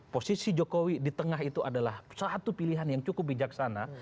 posisi jokowi di tengah itu adalah satu pilihan yang cukup bijaksana